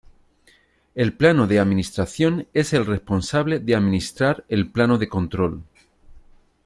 El plano de Administración es el responsable de administrar el plano de control.